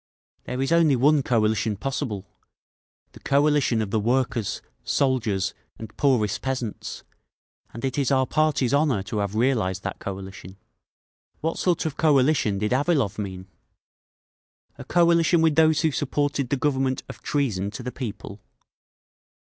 There is only one coalition possible—the coalition of the workers, soldiers and poorest peasants; and it is our party's honour to have realised that coalition…. What sort of coalition did Avilov mean? A coalition with those who supported the Government of Treason to the People?